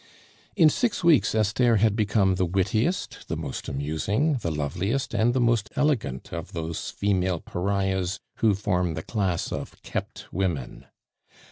In six weeks Esther had become the wittiest, the most amusing, the loveliest, and the most elegant of those female pariahs who form the class of kept women.